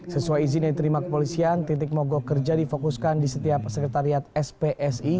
sesuai izin yang diterima kepolisian titik mogok kerja difokuskan di setiap sekretariat spsi